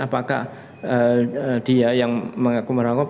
apakah dia yang mengaku merangkum